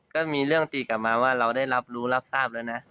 ก็มีเรื่องตีกลับมาว่าเราได้รับรู้รับทราบแล้วนะ